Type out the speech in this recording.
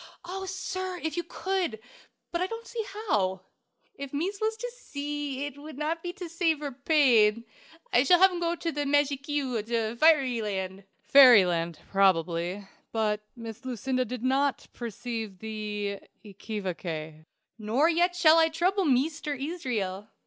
"Oh, sir, if you could! But I don't see how!" "If mees was to see, it would not be to save her pain. I shall have him to go by magique to fiery land." Fairy land, probably. But Miss Lucinda did not perceive the équivoque. "Nor yet shall I trouble Meester Israyel.